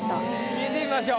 聞いてみましょう。